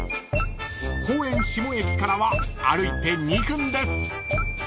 ［公園下駅からは歩いて２分です］